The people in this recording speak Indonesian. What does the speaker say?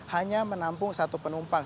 hanya menampung satu penumpang